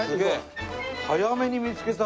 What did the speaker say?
早めに見つけた。